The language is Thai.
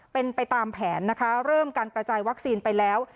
เป็นไปตามแผนนะคะเริ่มการกระจายวัคซีนไปแล้ว